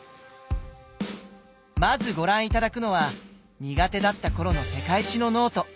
まずご覧頂くのは苦手だった頃の世界史のノート。